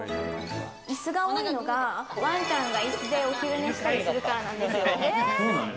椅子が多いのがワンちゃんが椅子でお昼寝したりするからなんですよ。